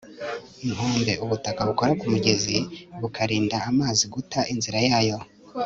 inkombe ubutaka bukora ku mugezi bukarinda amazi guta inzira yayo